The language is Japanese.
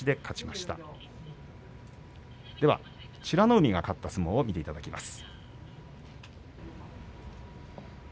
海が勝った相撲をご覧いただきます。